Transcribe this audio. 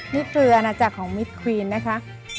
นี่คืออาณาจักรของมิดควีนนะคะ